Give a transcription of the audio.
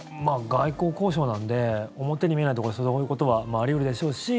外交交渉なんで表に見えないところでそういうことはあり得るでしょうし